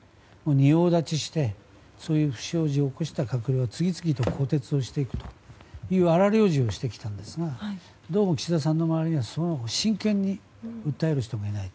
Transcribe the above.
仁王立ちして、不祥事を起こした閣僚を次々更迭していくという荒療治をしていたんですがどうも岸田さんの周りには真剣に訴える人がいない。